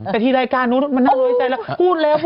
แต่ทีรายการนู้นมันเอาใจแล้ว